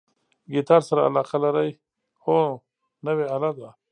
ګیتار سره علاقه لرئ؟ هو، نوی آله ده